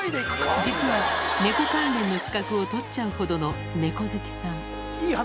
実は猫関連の資格を取っちゃうほどの猫好きさん